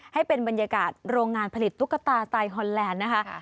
ให้เป็นบรรยากาศโรงงานผลิตตุ๊กตาไตล์ฮอนแลนด์นะคะ